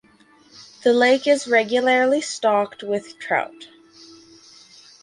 The lake is regularly stocked with trout.